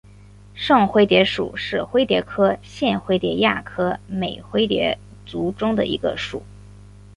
圣灰蝶属是灰蝶科线灰蝶亚科美灰蝶族中的一个属。